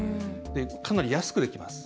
かなり安くできます。